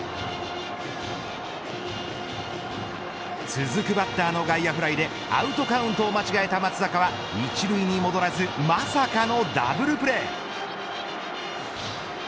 続くバッターの外野フライアウトカウントを間違えた松坂は１塁に戻らずまさかのダブルプレー。